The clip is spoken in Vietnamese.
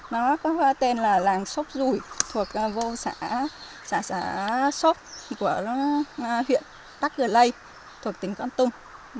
nó có tên là làng sóc rùi thuộc vô xã sóc của huyện tắc gờ lây thuộc tỉnh con tông